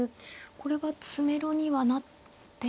これは詰めろにはなって。